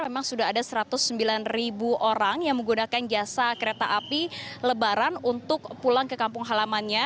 memang sudah ada satu ratus sembilan ribu orang yang menggunakan jasa kereta api lebaran untuk pulang ke kampung halamannya